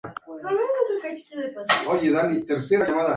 Así, se decidió más tarde que John sea el que sea capturado.